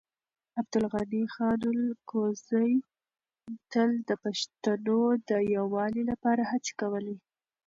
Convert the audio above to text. عبدالغني خان الکوزی تل د پښتنو د يووالي لپاره هڅې کولې.